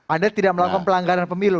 anda tidak melakukan pelanggaran pemilu